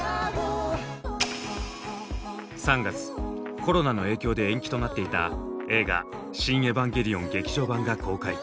コロナの影響で延期となっていた映画「シン・エヴァンゲリオン劇場版」が公開。